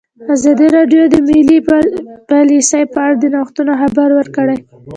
ازادي راډیو د مالي پالیسي په اړه د نوښتونو خبر ورکړی.